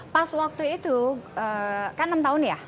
pas waktu itu kan enam tahun ya